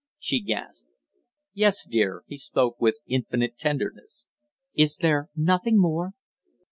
she gasped. "Yes, dear?" He spoke with infinite tenderness. "Is there nothing more?"